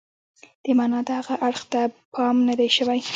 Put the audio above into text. د معنا دغه اړخ ته پام نه دی شوی.